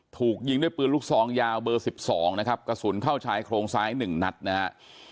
ถูกยิงด้วยปืนลูกซองยาวเบอร์๑๒นะครับกระสุนเข้าชายโครงซ้าย๑นัดนะฮะ